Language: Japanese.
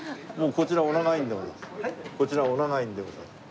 こちらお長いんでございますか？